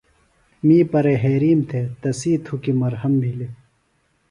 می پرہیرِیم تھےۡ تسی تُھکیۡ مرھم بِھلیۡ۔